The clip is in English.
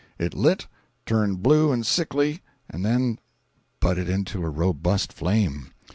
It lit, burned blue and sickly, and then budded into a robust flame.